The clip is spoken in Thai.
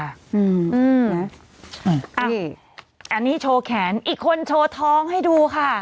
อันนี้อันนี้โชว์แขนอีกคนโชว์ท้องให้ดูค่ะ